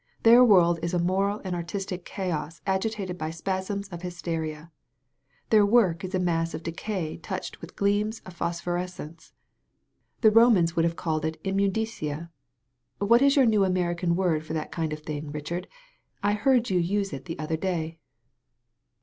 Their world is a moral and artistic chaos agitated by spasms of hysteria. Their work is a mass of decay touched with gleams of phosphorescence. The Romans would have called it immunditia. What is your new American word for that kind of thing, Richard ? I heard you use it the other day."